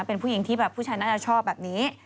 เป็นผู้หญิงที่แบบผู้ชายน่าจะชอบแบบนี้